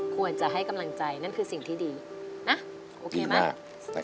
ควรจะให้กำลังใจนั่นคือสิ่งที่ดีนะโอเคไหม